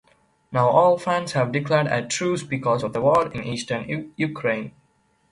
Now all fans have declared a truce because of the war in Eastern Ukraine.